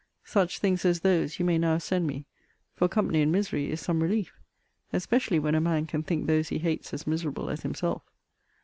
Such things as those you may now send me: for company in misery is some relief; especially when a man can think those he hates as miserable as himself.